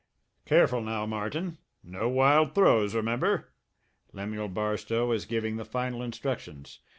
"Careful now, Martin! No wild throws, remember!" Lemuel Barstow was giving the final instructions.